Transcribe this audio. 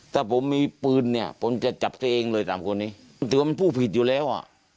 ถ้าผมมีปืนเนี่ยผมจะจับตัวเองเลยสามคนนี้มันถือว่าเป็นผู้ผิดอยู่แล้วอ่ะ